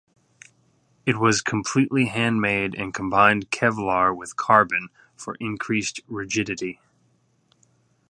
It was completely handmade and combined Kevlar with carbon for increased rigidity.